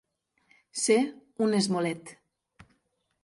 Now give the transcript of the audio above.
Ser un esmolet.